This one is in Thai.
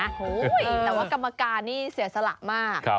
โอ้โหแต่ว่ากรรมการนี่เสียสละมาก